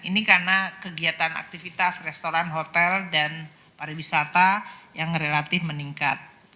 ini karena kegiatan aktivitas restoran hotel dan pariwisata yang relatif meningkat